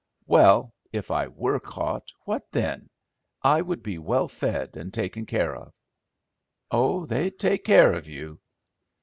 "Well, if I were caught, what then? I would be well fed and taken care of." "Oh, they'd take care of you."